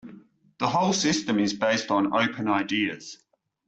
The whole system is based on open ideas.